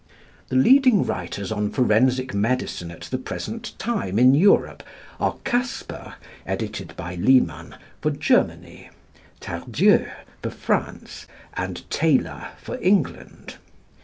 The leading writers on forensic medicine at the present time in Europe are Casper (edited by Liman) for Germany, Tardieu for France, and Taylor for England.